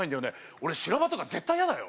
俺修羅場とか絶対嫌だよ？